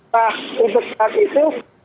nah untuk saat itu